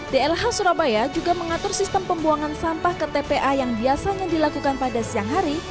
dlh surabaya juga mengatur sistem pembuangan sampah ke tpa yang biasanya dilakukan pada siang hari